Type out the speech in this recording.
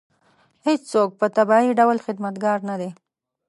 هېڅوک په طبیعي ډول خدمتګار نه دی.